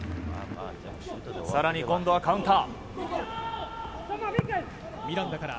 更に今度はカウンター。